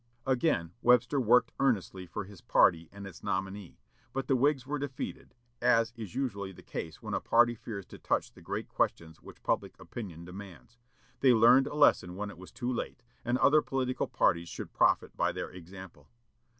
Again Webster worked earnestly for his party and its nominee, but the Whigs were defeated, as is usually the case when a party fears to touch the great questions which public opinion demands. They learned a lesson when it was too late, and other political parties should profit by their example.